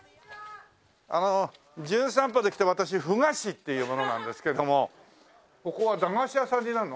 あの『じゅん散歩』で来た私麩菓子っていう者なんですけれどもここは駄菓子屋さんになるの？